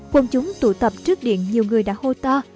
quân chúng tụ tập trước điện nhiều người đã hô ta